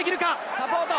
サポート！